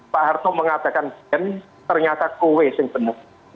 pak harto mengatakan ternyata kowe yang benar